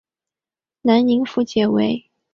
南宁府解围。